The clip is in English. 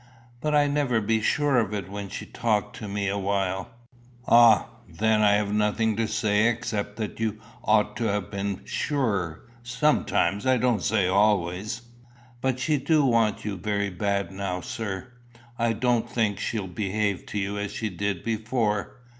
"But I never be sure of it when she talk to me awhile." "Ah, then I have nothing to say except that you ought to have been surer sometimes; I don't say always." "But she do want you very bad now, sir. I don't think she'll behave to you as she did before.